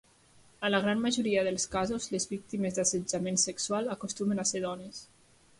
En la gran majoria dels casos, les víctimes d'assetjament sexual acostumen a ser dones.